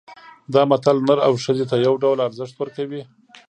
دا متل نر او ښځې ته یو ډول ارزښت ورکوي